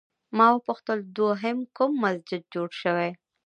ما وپوښتل دوهم کوم مسجد جوړ شوی؟